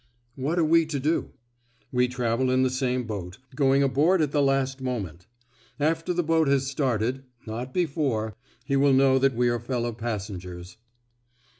"What are we to do?" "We travel in the same boat, going aboard at the last moment. After the boat has started not before he will know that we are fellow passengers."